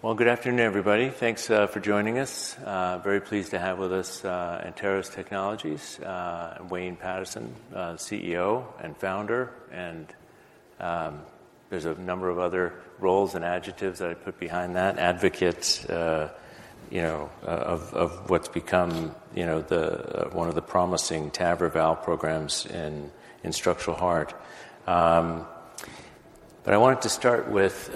Well, good afternoon, everybody. Thanks for joining us. Very pleased to have with us Anteris Technologies, Wayne Paterson, CEO and founder, and there's a number of other roles and adjectives that I put behind that. Advocates, you know, of what's become, you know, the one of the promising TAVR valve programs in structural heart. I wanted to start with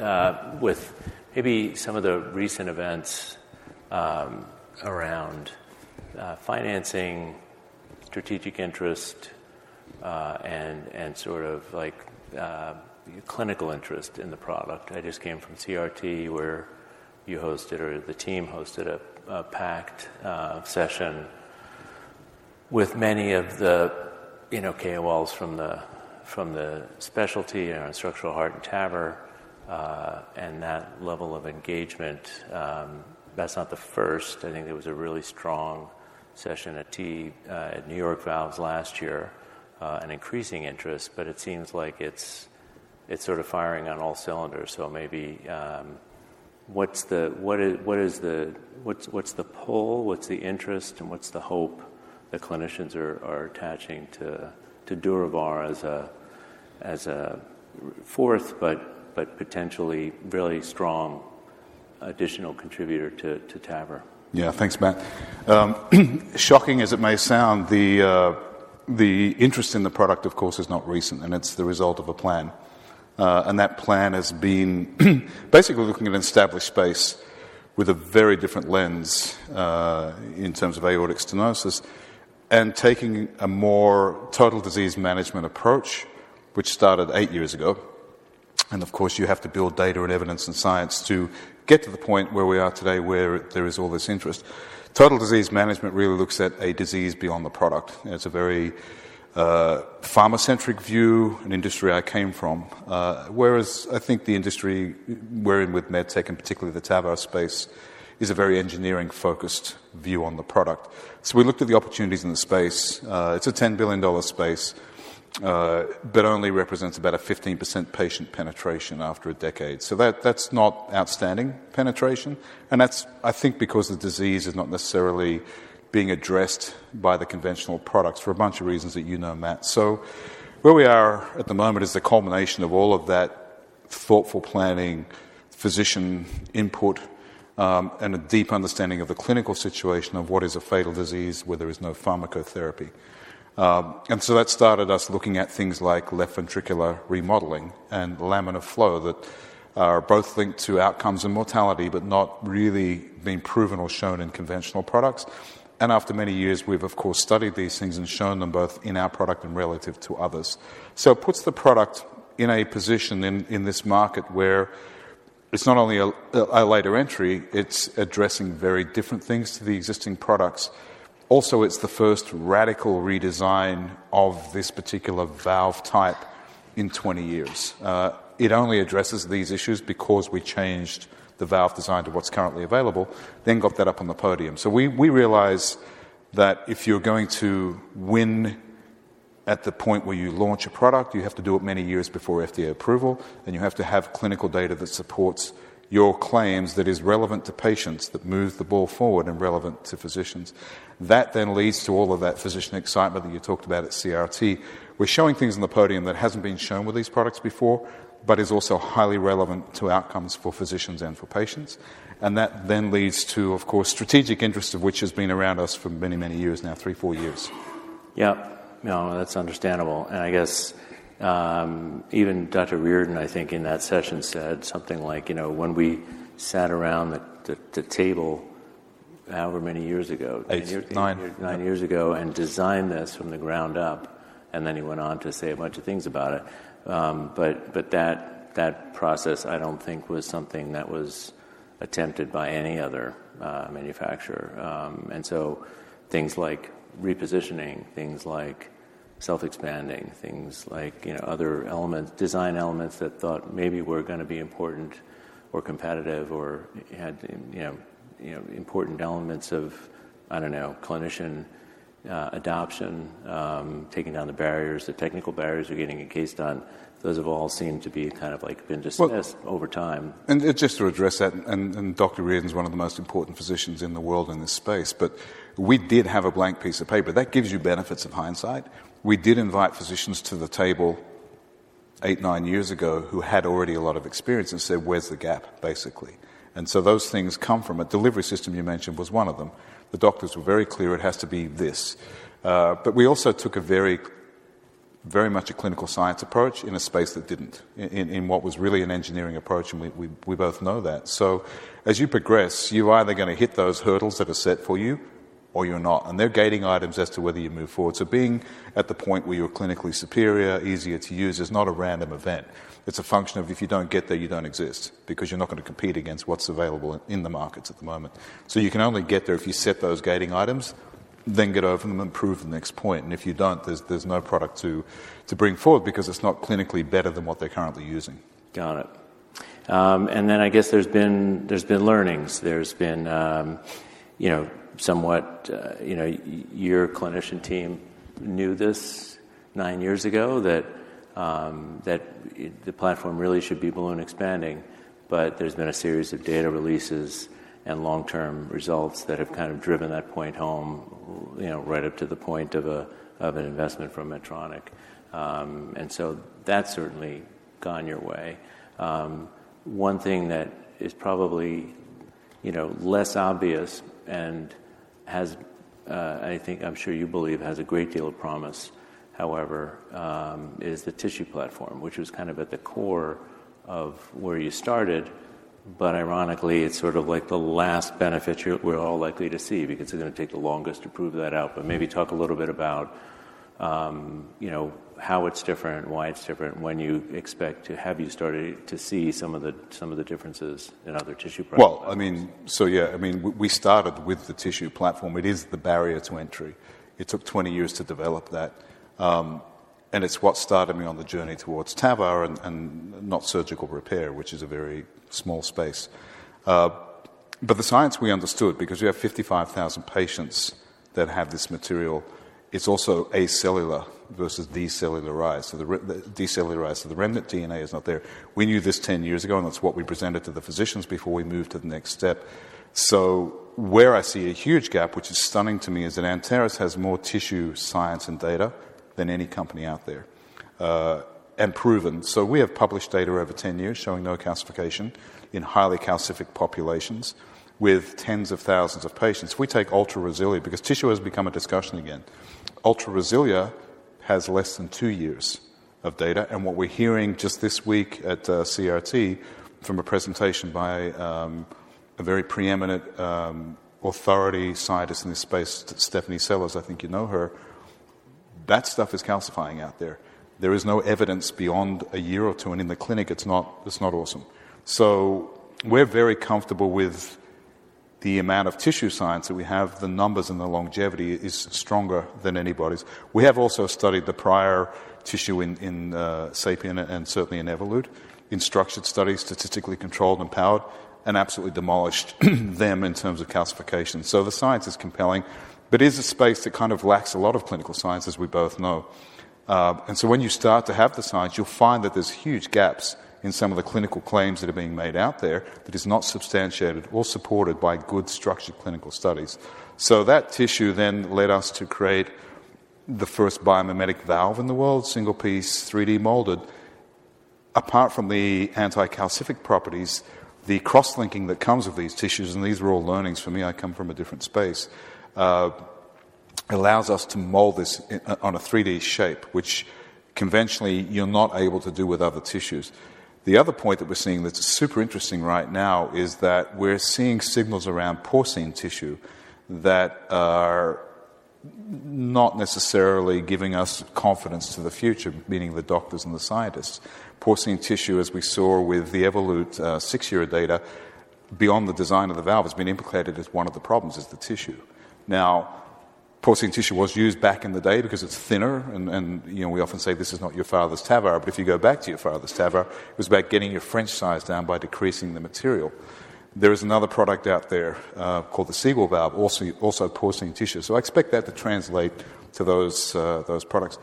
maybe some of the recent events around financing, strategic interest, and sort of like clinical interest in the product. I just came from CRT, where you hosted, or the team hosted a packed session with many of the, you know, KOLs from the specialty around structural heart and TAVR, and that level of engagement, that's not the first. I think there was a really strong session at New York Valves last year, and increasing interest, but it seems like it's sort of firing on all cylinders. Maybe, what's the pull? What's the interest? What's the hope that clinicians are attaching to DurAVR as a fourth but potentially really strong additional contributor to TAVR? Yeah. Thanks, Matt. Shocking as it may sound, the interest in the product, of course, is not recent, and it's the result of a plan. That plan has been basically looking at an established space with a very different lens, in terms of aortic stenosis and taking a more total disease management approach, which started eight years ago. You have to build data and evidence and science to get to the point where we are today, where there is all this interest. Total disease management really looks at a disease beyond the product. It's a very pharma-centric view, an industry I came from. Whereas I think the industry we're in with med tech, and particularly the TAVR space, is a very engineering-focused view on the product. We looked at the opportunities in the space. It's a $10 billion space, but only represents about a 15% patient penetration after a decade. That's not outstanding penetration, and that's, I think, because the disease is not necessarily being addressed by the conventional products for a bunch of reasons that you know, Matt. Where we are at the moment is the culmination of all of that thoughtful planning, physician input, and a deep understanding of the clinical situation of what is a fatal disease where there is no pharmacotherapy. That started us looking at things like left ventricular remodeling and laminar flow that are both linked to outcomes and mortality, but not really being proven or shown in conventional products. After many years, we've of course studied these things and shown them both in our product and relative to others. It puts the product in a position in this market where it's not only a later entry, it's addressing very different things to the existing products. Also, it's the first radical redesign of this particular valve type in 20 years. It only addresses these issues because we changed the valve design to what's currently available, then got that up on the podium. We realize that if you're going to win at the point where you launch a product, you have to do it many years before FDA approval, and you have to have clinical data that supports your claims that is relevant to patients that move the ball forward and relevant to physicians. That then leads to all of that physician excitement that you talked about at CRT. We're showing things on the podium that hasn't been shown with these products before but is also highly relevant to outcomes for physicians and for patients. That then leads to, of course, strategic interest of which has been around us for many, many years now, three, four years. Yep. No, that's understandable. I guess, even Dr. Reardon, I think in that session said something like, you know, when we sat around the table however many years ago. Eight, nine. Nine years ago and designed this from the ground up, and then he went on to say a bunch of things about it. That process I don't think was something that was attempted by any other manufacturer. Things like repositioning, things like self-expanding, things like you know other elements, design elements that thought maybe were gonna be important or competitive or had you know important elements of I don't know, clinician adoption, taking down the barriers, the technical barriers to getting a case done, those have all seemed to be kind of like been dismissed over time. Just to address that, Dr. Reardon's one of the most important physicians in the world in this space, but we did have a blank piece of paper. That gives you benefits of hindsight. We did invite physicians to the table eight, nine years ago who had already a lot of experience and said, "Where's the gap?" basically. Those things come from a delivery system you mentioned was one of them. The doctors were very clear it has to be this. But we also took a very, very much a clinical science approach in a space that didn't in what was really an engineering approach, and we both know that. As you progress, you're either gonna hit those hurdles that are set for you or you're not, and they're gating items as to whether you move forward. Being at the point where you're clinically superior, easier to use is not a random event. It's a function of if you don't get there, you don't exist because you're not gonna compete against what's available in the markets at the moment. You can only get there if you set those gating items, then get over them and prove the next point. If you don't, there's no product to bring forward because it's not clinically better than what they're currently using. Got it. I guess there's been learnings. You know, somewhat, you know, your clinician team knew this nine years ago that the platform really should be balloon expanding, but there's been a series of data releases and long-term results that have kind of driven that point home, you know, right up to the point of an investment from Medtronic. That's certainly gone your way. One thing that is probably, you know, less obvious and has, I think I'm sure you believe has a great deal of promise, however, is the tissue platform, which was kind of at the core of where you started. Ironically, it's sort of like the last benefit we're all likely to see because it's gonna take the longest to prove that out. Maybe talk a little bit about, you know, how it's different, why it's different, when you expect to have started to see some of the differences in other tissue products. Well, I mean, yeah, I mean, we started with the tissue platform. It is the barrier to entry. It took 20 years to develop that, and it's what started me on the journey towards TAVR and not surgical repair, which is a very small space. The science we understood because we have 55,000 patients that have this material. It's also acellular versus decellularized. The remnant DNA is not there. We knew this 10 years ago, and that's what we presented to the physicians before we moved to the next step. Where I see a huge gap, which is stunning to me, is that Anteris has more tissue science and data than any company out there, and proven. We have published data over 10 years showing no calcification in highly calcific populations with tens of thousands of patients. We take Ultra RESILIA because tissue has become a discussion again. Ultra RESILIA has less than two years of data, and what we're hearing just this week at CRT from a presentation by a very preeminent authority scientist in this space, Stephanie Sellers, I think you know her, that stuff is calcifying out there. There is no evidence beyond a year or two, and in the clinic, it's not awesome. We're very comfortable with the amount of tissue science that we have. The numbers and the longevity is stronger than anybody's. We have also studied the prior tissue in SAPIEN and certainly in Evolut in structured studies, statistically controlled and powered, and absolutely demolished them in terms of calcification. The science is compelling, but it is a space that kind of lacks a lot of clinical science, as we both know. When you start to have the science, you'll find that there's huge gaps in some of the clinical claims that are being made out there that is not substantiated or supported by good structured clinical studies. That tissue then led us to create the first biomimetic valve in the world, single piece, 3D-molded. Apart from the anti-calcific properties, the cross-linking that comes with these tissues, and these are all learnings for me, I come from a different space, allows us to mold this into a 3D shape, which conventionally you're not able to do with other tissues. The other point that we're seeing that's super interesting right now is that we're seeing signals around porcine tissue that are not necessarily giving us confidence to the future, meaning the doctors and the scientists. Porcine tissue, as we saw with the Evolut six-year data, beyond the design of the valve, has been implicated as one of the problems is the tissue. Now, porcine tissue was used back in the day because it's thinner and, you know, we often say this is not your father's TAVR, but if you go back to your father's TAVR, it was about getting your French size down by decreasing the material. There is another product out there called the Siegel Valve, also porcine tissue. So I expect that to translate to those products.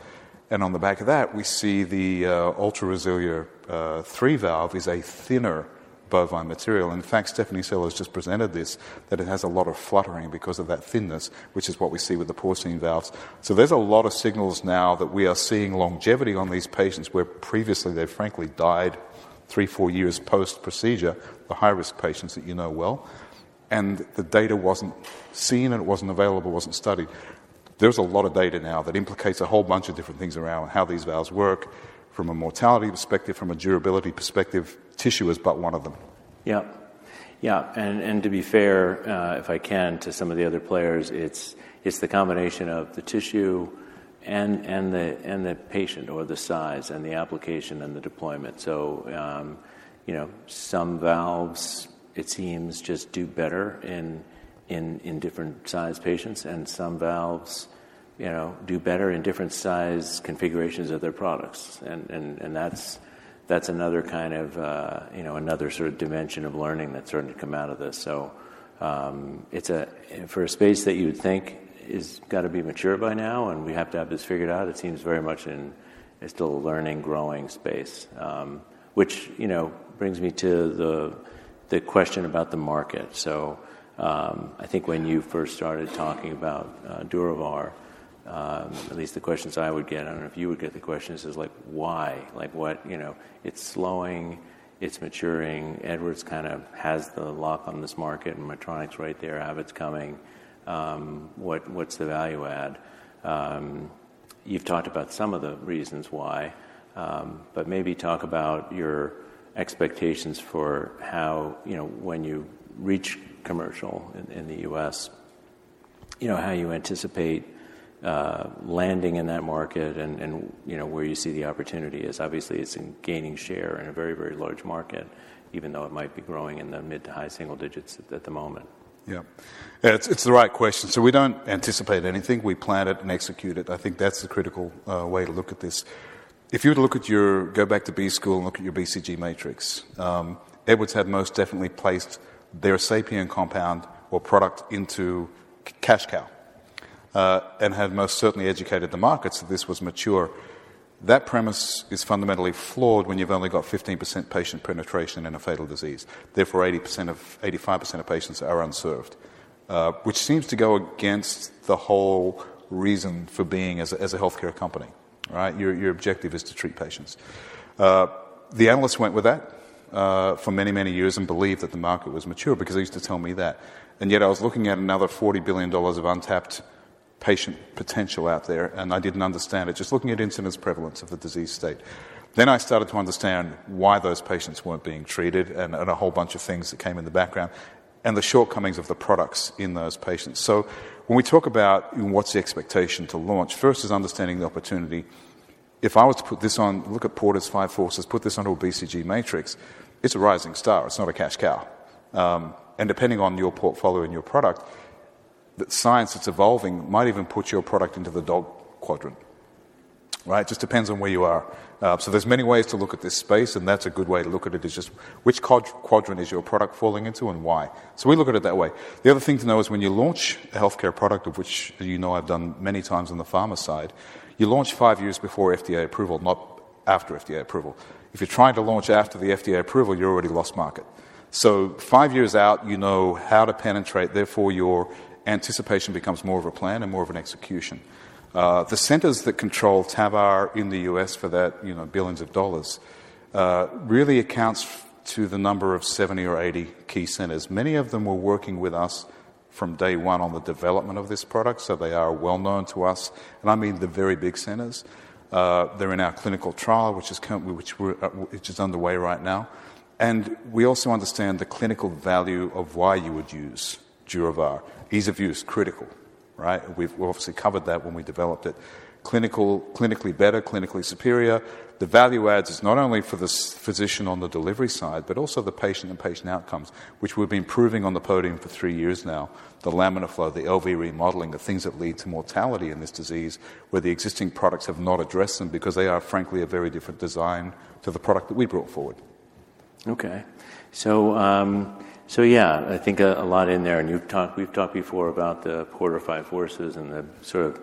On the back of that, we see the Ultra RESILIA 3 valve is a thinner bovine material. In fact, Stephanie Sellers just presented this, that it has a lot of fluttering because of that thinness, which is what we see with the porcine valves. There's a lot of signals now that we are seeing longevity on these patients where previously they frankly died three to four years post-procedure, the high-risk patients that you know well, and the data wasn't seen and it wasn't available, it wasn't studied. There's a lot of data now that implicates a whole bunch of different things around how these valves work from a mortality perspective, from a durability perspective. Tissue is but one of them. To be fair, if I can, to some of the other players, it's the combination of the tissue and the patient or the size and the application and the deployment. You know, some valves, it seems, just do better in different size patients, and some valves, you know, do better in different size configurations of their products. That's another kind of, you know, another sort of dimension of learning that's starting to come out of this. It's a space that you would think is gotta be mature by now and we have to have this figured out. It seems very much. It's still a learning, growing space. Which, you know, brings me to the question about the market. I think when you first started talking about DurAVR, at least the questions I would get, I don't know if you would get the questions, is like, why? Like, what, you know, it's slowing, it's maturing, Edwards kind of has the lock on this market, and Medtronic's right there, Abbott's coming. What's the value add? You've talked about some of the reasons why, but maybe talk about your expectations for how, you know, when you reach commercial in the U.S., you know, how you anticipate landing in that market and, you know, where you see the opportunity is. Obviously, it's in gaining share in a very, very large market, even though it might be growing in the mid- to high-single digits at the moment. Yeah. Yeah, it's the right question. We don't anticipate anything. We plan it and execute it. I think that's the critical way to look at this. If you were to look at your, go back to B school and look at your BCG matrix, Edwards had most definitely placed their SAPIEN compound or product into cash cow and had most certainly educated the markets that this was mature. That premise is fundamentally flawed when you've only got 15% patient penetration in a fatal disease. Therefore, 85% of patients are unserved, which seems to go against the whole reason for being as a healthcare company, right? Your objective is to treat patients. The analysts went with that for many, many years and believed that the market was mature because they used to tell me that. Yet I was looking at another $40 billion of untapped patient potential out there, and I didn't understand it, just looking at incidence prevalence of the disease state. I started to understand why those patients weren't being treated and a whole bunch of things that came in the background and the shortcomings of the products in those patients. When we talk about what's the expectation to launch, first is understanding the opportunity. If I was to put this on, look at Porter's five forces, put this onto a BCG matrix, it's a rising star. It's not a cash cow. And depending on your portfolio and your product, the science that's evolving might even put your product into the dog quadrant, right? Just depends on where you are. There's many ways to look at this space, and that's a good way to look at it is just which quadrant is your product falling into and why. We look at it that way. The other thing to know is when you launch a healthcare product, of which you know I've done many times on the pharma side, you launch five years before FDA approval, not after FDA approval. If you're trying to launch after the FDA approval, you already lost market. Five years out, you know how to penetrate, therefore your anticipation becomes more of a plan and more of an execution. The centers that control TAVR in the U.S. for that, you know, billions of dollars, really amounts to the number of 70 or 80 key centers. Many of them were working with us from day one on the development of this product, so they are well known to us. I mean the very big centers. They're in our clinical trial, which is underway right now. We also understand the clinical value of why you would use DurAVR. Ease of use, critical, right? We've obviously covered that when we developed it. Clinically better, clinically superior. The value adds is not only for this physician on the delivery side, but also the patient and patient outcomes, which we've been proving on the podium for three years now. The laminar flow, the LV remodeling, the things that lead to mortality in this disease, where the existing products have not addressed them because they are, frankly, a very different design to the product that we brought forward. Okay. Yeah, I think a lot in there, and you've talked, we've talked before about the Porter's five forces and the sort of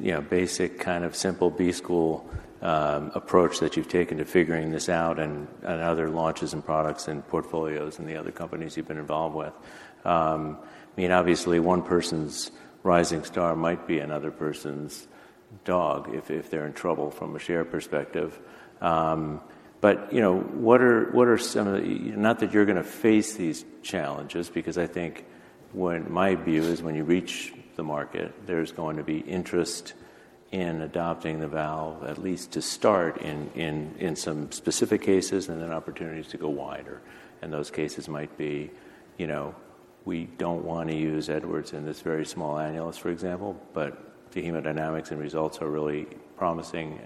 you know, basic kind of simple B school approach that you've taken to figuring this out and other launches and products and portfolios in the other companies you've been involved with. I mean, obviously, one person's rising star might be another person's dog if they're in trouble from a share perspective. You know, what are some of the. Not that you're gonna face these challenges because I think my view is when you reach the market, there's going to be interest in adopting the valve at least to start in some specific cases and then opportunities to go wider. Those cases might be, you know, we don't wanna use Edwards in this very small annulus, for example, but the hemodynamics and results are really promising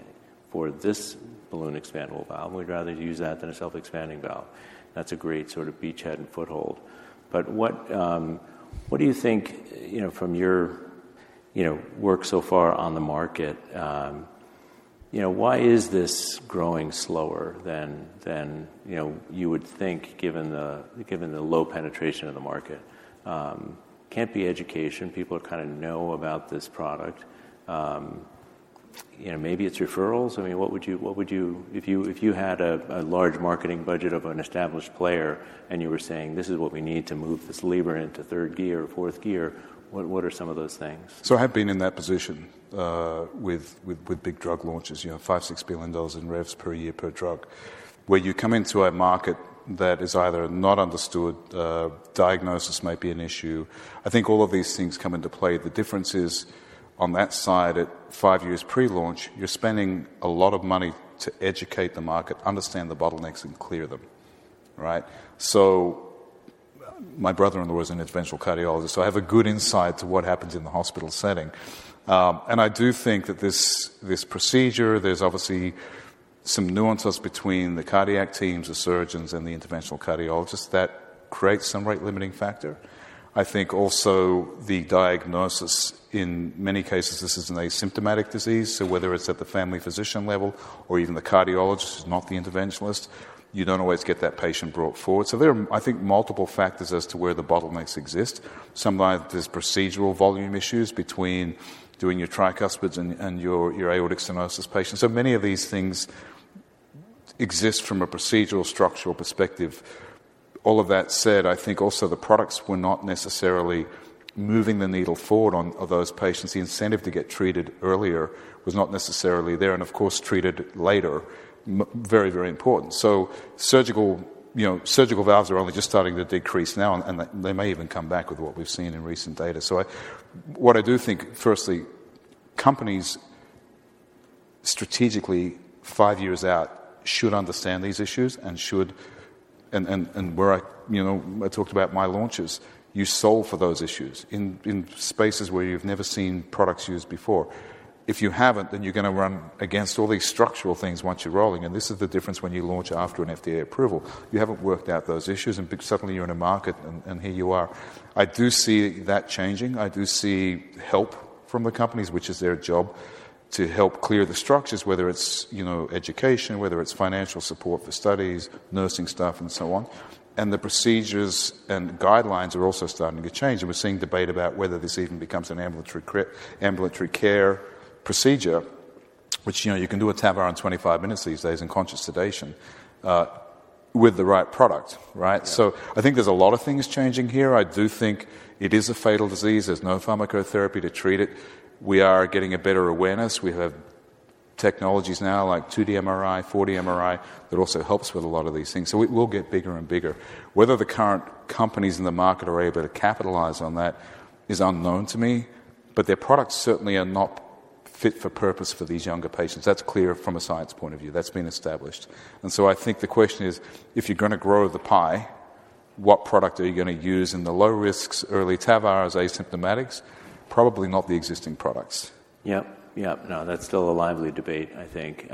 for this balloon-expandable valve. We'd rather use that than a self-expanding valve. That's a great sort of beachhead and foothold. What do you think, you know, from your work so far on the market, you know, why is this growing slower than you would think given the low penetration of the market? Can't be education. People kinda know about this product. You know, maybe it's referrals. I mean, what would you—if you had a large marketing budget of an established player and you were saying, "This is what we need to move this lever into third gear or fourth gear," what are some of those things? I have been in that position with big drug launches, you know, $5 billion-$6 billion in revs per year per drug, where you come into a market that is either not understood, diagnosis might be an issue. I think all of these things come into play. The difference is on that side, at five years pre-launch, you're spending a lot of money to educate the market, understand the bottlenecks, and clear them, right? My brother-in-law is an interventional cardiologist, so I have a good insight to what happens in the hospital setting. I do think that this procedure, there's obviously some nuances between the cardiac teams, the surgeons, and the interventional cardiologists that create some rate-limiting factor. I think also the diagnosis, in many cases, this is an asymptomatic disease, so whether it's at the family physician level or even the cardiologist, not the interventionalist, you don't always get that patient brought forward. There are, I think, multiple factors as to where the bottlenecks exist. So, like, there's procedural volume issues between doing your tricuspids and your aortic stenosis patients. Many of these things exist from a procedural structural perspective. All of that said, I think also the products were not necessarily moving the needle forward on those patients. The incentive to get treated earlier was not necessarily there, and of course, treated later very, very important. Surgical, you know, surgical valves are only just starting to decrease now, and they may even come back with what we've seen in recent data. What I do think, firstly, companies strategically five years out should understand these issues and should and where I, you know, I talked about my launches, you solve for those issues in spaces where you've never seen products used before. If you haven't, then you're gonna run against all these structural things once you're rolling. This is the difference when you launch after an FDA approval. You haven't worked out those issues, and suddenly you're in a market and here you are. I do see that changing. I do see help from the companies, which is their job to help clear the structures, whether it's, you know, education, whether it's financial support for studies, nursing staff, and so on. The procedures and guidelines are also starting to change, and we're seeing debate about whether this even becomes an ambulatory care procedure, which, you know, you can do a TAVR in 25 minutes these days in conscious sedation with the right product, right? Yeah. I think there's a lot of things changing here. I do think it is a fatal disease. There's no pharmacotherapy to treat it. We are getting a better awareness. We have technologies now like 2D MRI, 4D MRI, that also helps with a lot of these things. It will get bigger and bigger. Whether the current companies in the market are able to capitalize on that is unknown to me, but their products certainly are not fit for purpose for these younger patients. That's clear from a science point of view. That's been established. I think the question is, if you're gonna grow the pie, what product are you gonna use in the low risks, early TAVRs, asymptomatics? Probably not the existing products. Yep. No, that's still a lively debate, I think,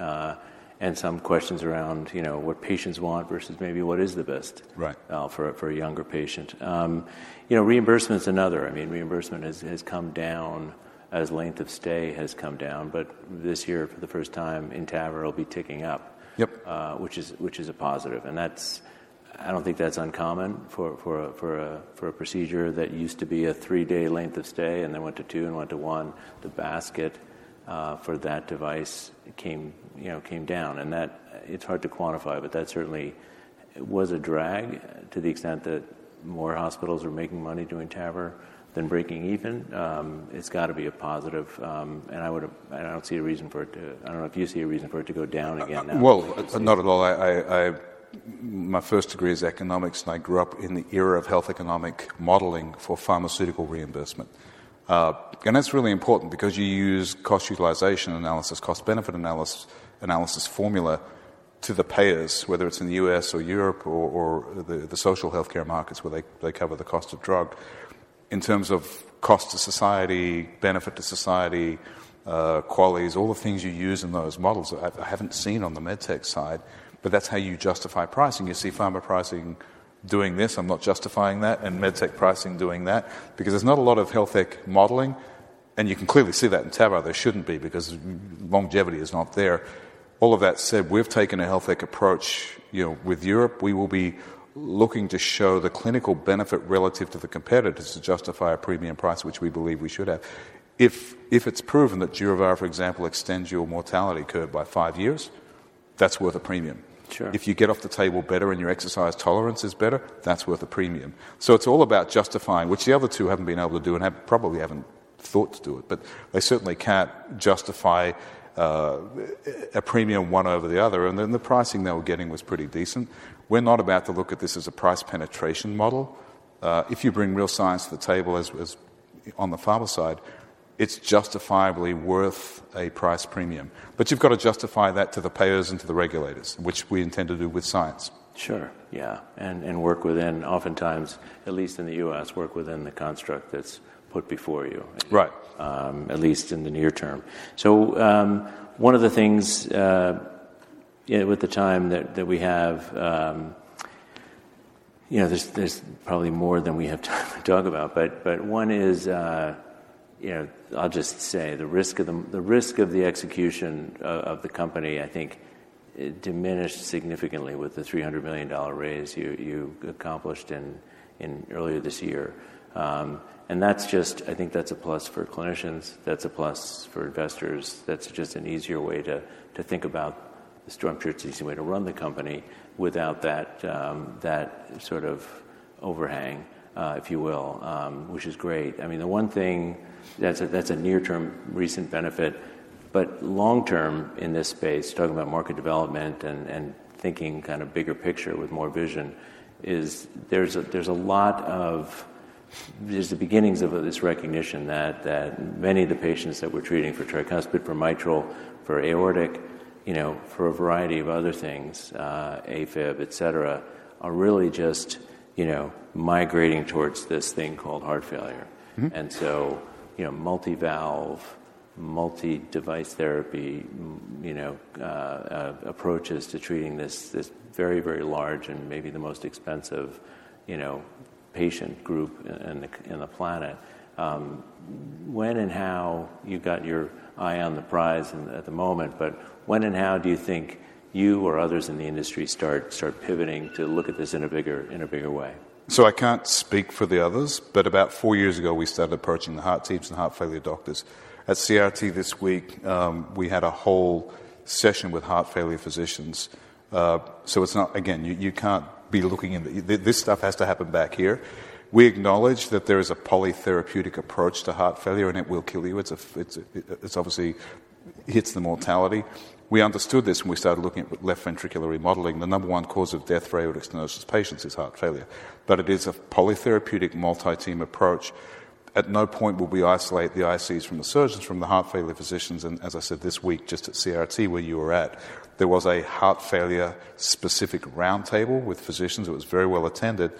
and some questions around, you know, what patients want versus maybe what is the best for a younger patient. You know, reimbursement's another. I mean, reimbursement has come down as length of stay has come down. This year, for the first time in TAVR, it'll be ticking up. Yep Which is a positive. That's. I don't think that's uncommon for a procedure that used to be a three-day length of stay and then went to two and went to one. The basket for that device came, you know, down and that. It's hard to quantify, but that certainly was a drag to the extent that more hospitals are making money doing TAVR than breaking even. It's gotta be a positive, and I don't see a reason for it to go down again now. I don't know if you see a reason for it to go down again now. Well, not at all. My first degree is economics and I grew up in the era of health economic modeling for pharmaceutical reimbursement. That's really important because you use cost-utility analysis, cost-benefit analysis formula to the payers, whether it's in the U.S. or Europe or the social healthcare markets where they cover the cost of drug. In terms of cost to society, benefit to society, qualities, all the things you use in those models I haven't seen on the med tech side, but that's how you justify pricing. You see pharma pricing doing this, I'm not justifying that, and med tech pricing doing that because there's not a lot of health tech modeling, and you can clearly see that in TAVR. There shouldn't be because longevity is not there. All of that said, we've taken a health tech approach, you know, with Europe. We will be looking to show the clinical benefit relative to the competitors to justify a premium price which we believe we should have. If it's proven that DurAVR, for example, extends your mortality curve by five years, that's worth a premium. Sure. If you get off the table better and your exercise tolerance is better, that's worth a premium. It's all about justifying, which the other two haven't been able to do and probably haven't thought to do it. They certainly can't justify a premium one over the other, and then the pricing they were getting was pretty decent. We're not about to look at this as a price penetration model. If you bring real science to the table as on the pharma side, it's justifiably worth a price premium. You've got to justify that to the payers and to the regulators, which we intend to do with science. Sure. Yeah. Oftentimes, at least in the U.S., work within the construct that's put before you. Right At least in the near term. One of the things with the time that we have, you know, there's probably more than we have time to talk about, but one is, you know, I'll just say the risk of the execution of the company. I think it diminished significantly with the $300 million raise you accomplished in earlier this year. I think that's a plus for clinicians. That's a plus for investors. That's just an easier way to think about the structure. It's an easier way to run the company without that sort of overhang, if you will, which is great. I mean, the one thing that's a near-term recent benefit, but long-term in this space, talking about market development and thinking kind of bigger picture with more vision is there's a lot of. There's the beginnings of this recognition that many of the patients that we're treating for tricuspid, for mitral, for aortic, you know, for a variety of other things, AFib, et cetera, are really just, you know, migrating towards this thing called heart failure. Mm-hmm. You know, multi-valve, multi-device therapy, you know, approaches to treating this very, very large and maybe the most expensive, you know, patient group in the planet. When and how. You've got your eye on the prize at the moment, but when and how do you think you or others in the industry start pivoting to look at this in a bigger way? I can't speak for the others, but about four years ago, we started approaching the heart teams and heart failure doctors. At CRT this week, we had a whole session with heart failure physicians. Again, you can't be looking in—this stuff has to happen back here. We acknowledge that there is a polytherapeutic approach to heart failure, and it will kill you. It's obviously hits the mortality. We understood this when we started looking at left ventricular remodeling. The number one cause of death for aortic stenosis patients is heart failure. It is a polytherapeutic, multi-team approach. At no point will we isolate the ICDs from the surgeons, from the heart failure physicians. As I said this week, just at CRT, where you were at, there was a heart failure specific roundtable with physicians.It was very well attended,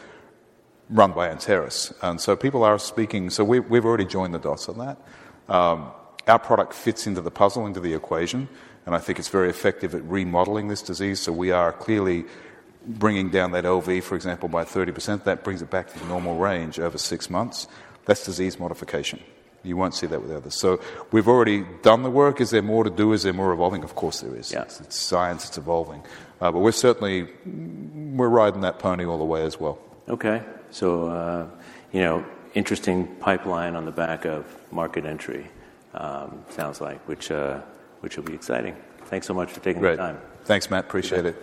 run by Anteris. People are speaking. We've already joined the dots on that. Our product fits into the puzzle, into the equation, and I think it's very effective at remodeling this disease. We are clearly bringing down that LV, for example, by 30%. That brings it back to the normal range over six months. That's disease modification. You won't see that with others. We've already done the work. Is there more to do? Is there more evolving? Of course, there is. Yeah. It's science. It's evolving. We're certainly riding that pony all the way as well. Okay. You know, interesting pipeline on the back of market entry, sounds like, which will be exciting. Thanks so much for taking the time. Great. Thanks, Matt. Appreciate it.